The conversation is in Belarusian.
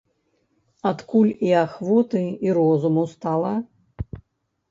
Адкуль і ахвоты, і розуму стала?